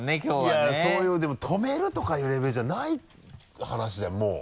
いやそういうでも止めるとかいうレベルじゃない話だよもう。